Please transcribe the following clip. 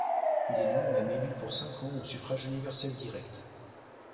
Il est lui-même élu pour cinq ans au suffrage universel direct.